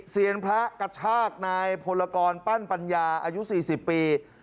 เซียนพระกระชากนายพลกรปั้นปัญญาอายุ๔๐ปี